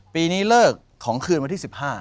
ปีนี้เลิกของคืนวันที่๑๕